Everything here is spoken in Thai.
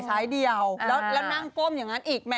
สายเดียวแล้วนั่งก้มอย่างนั้นอีกไหม